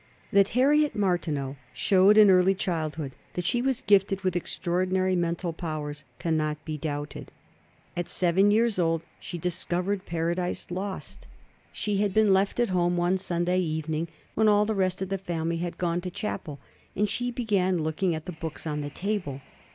That Harriet Martineau showed in early childhood that she was gifted with extraordinary mental powers cannot be doubted. At seven years old she "discovered" Paradise Lost. She had been left at home one Sunday evening, when all the rest of the family had gone to chapel, and she began looking at the books on the table.